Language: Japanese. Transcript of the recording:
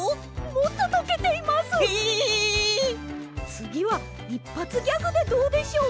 つぎはいっぱつギャグでどうでしょう？